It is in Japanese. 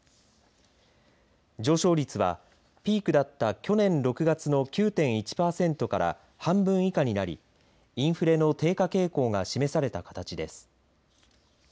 上昇率はピークだった去年６月の９．１パーセントから半分以下になりインフレの低下傾向が示された形です。